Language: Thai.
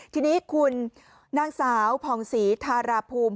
ทีนี้คุณนางสาวผ่องศรีธาราภูมิ